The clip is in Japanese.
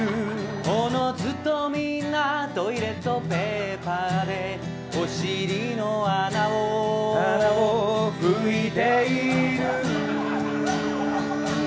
おのずとみんなトイレットペーパーでお尻の穴を拭いている！